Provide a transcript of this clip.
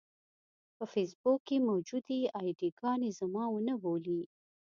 په فېسبوک کې موجودې اې ډي ګانې زما ونه بولي.